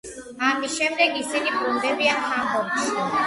ამის შემდეგ, ისინი ბრუნდებიან ჰამბურგში.